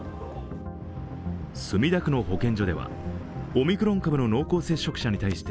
墨田区の保健所ではオミクロン株の陽性者に対して